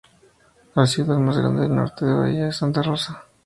La ciudad más grande del Norte de la Bahía es Santa Rosa.